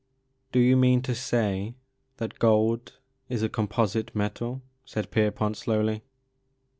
*''' Do you mean to say that gold is a composite metal ?*' said Pierpont slowly.